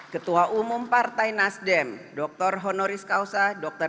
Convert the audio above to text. ketua umum partai pertama perti pertanian pradipatri